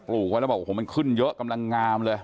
ลูกไว้แล้วบอกโอ้โหมันขึ้นเยอะกำลังงามเลย